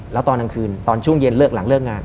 แล้วตอนกลางคืนตอนช่วงเย็นเลิกหลังเลิกงาน